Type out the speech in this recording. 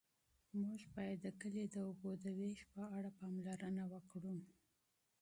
موږ باید د کلي د اوبو د وېش په اړه پاملرنه وکړو.